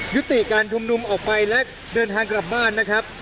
ยุติการชุมนุมออกไปและเดินทางกลับบ้านนะครับ